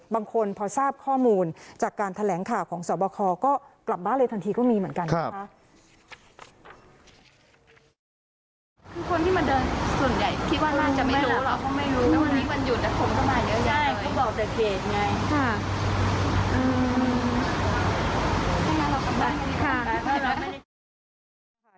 บางคนพอทราบข้อมูลจากการแถลงข่าวของสวบคก็กลับบ้านเลยทันทีก็มีเหมือนกันนะคะ